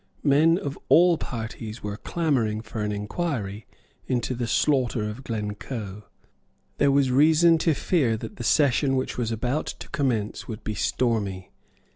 Men of all parties were clamouring for an inquiry into the slaughter of Glencoe. There was reason to fear that the session which was about to commence would be stormy.